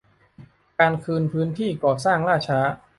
การคืนพื้นที่ก่อสร้างล่าช้า